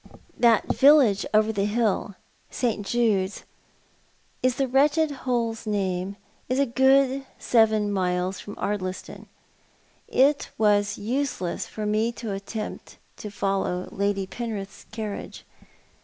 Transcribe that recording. That village over the hill— St. Jude's is the wretched hole's name — is a good seven miles from Ardliston. It was useless for me to attempt to follow Lady Penrith's carriage.